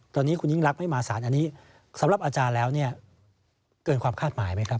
ตอนนี้คุณยิ่งรักไม่มาสารอันนี้สำหรับอาจารย์แล้วเนี่ยเกินความคาดหมายไหมครับ